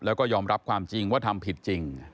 แล้วก็ยอมรับความจริงว่าทำผิดจริง